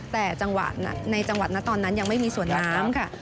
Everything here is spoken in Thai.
แต่จังหวะในจังหวัดนะตอนนั้นยังไม่มีสวนน้ำค่ะ